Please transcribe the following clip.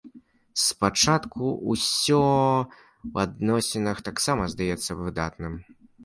Спачатку ўсё ў адносінах таксама здаецца выдатным.